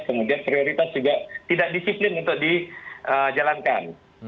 kemudian prioritas juga tidak disiplin untuk dijalankan